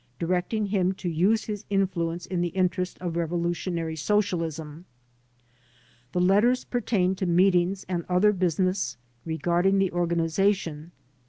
directing him to use his influence in the interest of revolutionary socialisnu The letters pertained to meetings and other business regarding the organiza tion.